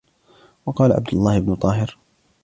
وَقَالَ عَبْدُ اللَّهِ بْنُ طَاهِرٍ